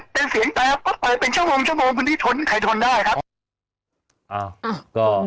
เป็นเสียงแปบเปิดเป็นชั่วโมงคุณพี่ทนใครทนได้ครับ